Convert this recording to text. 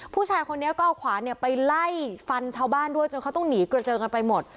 ผู้ชายคนนี้ก็เอาขวานเนี่ยไปไล่ฟันชาวบ้านด้วยจนเขาต้องหนีกระเจิงกันไปหมด